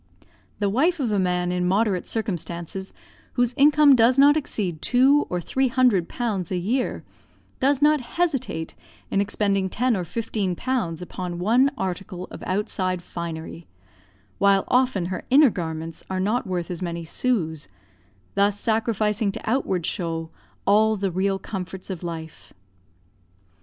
The wife of a man in moderate circumstances, whose income does not exceed two or three hundred pounds a year, does not hesitate in expending ten or fifteen pounds upon one article of outside finery, while often her inner garments are not worth as many sous; thus sacrificing to outward show all the real comforts of life.